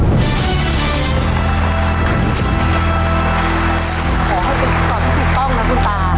ขอให้ดูขนาดที่ถูกต้องนะคุณปาร์